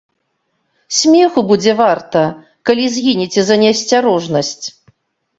Смеху будзе варта, калі згінеце за неасцярожнасць.